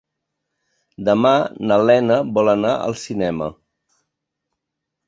Demà na Lena vol anar al cinema.